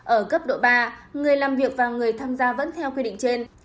ở cấp độ ba người làm việc và người tham gia vẫn theo quy định trên